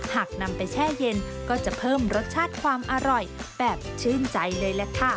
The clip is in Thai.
หากนำไปแช่เย็นก็จะเพิ่มรสชาติความอร่อยแบบชื่นใจเลยแหละค่ะ